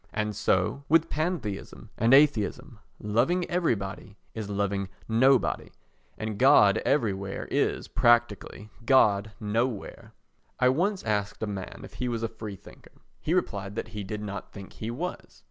And so with pantheism and atheism; loving everybody is loving nobody, and God everywhere is, practically, God nowhere. I once asked a man if he was a free thinker; he replied that he did not think he was.